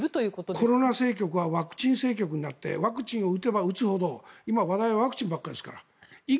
コロナ政局はワクチン政局になっていてワクチンを打てば打つほど今、話題はワクチンばっかりですから。